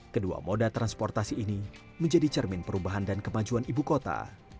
kedua moda transportasi ini menjadi cermin perubahan dan kemajuan ibu kota